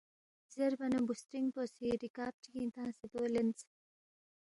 زیربا نہ بُوسترِنگ پو سی ریکاب چِگِنگ تنگسے دو لینس